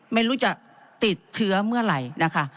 ไม่รู้จะติดเชื้อเมื่อไหร่นะคะ